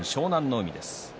海です。